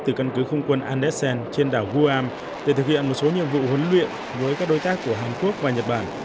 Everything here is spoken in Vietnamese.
từ căn cứ không quân andesh trên đảo guam để thực hiện một số nhiệm vụ huấn luyện với các đối tác của hàn quốc và nhật bản